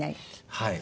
はい。